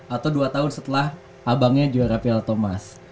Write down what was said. atau dua tahun setelah abangnya juara piala thomas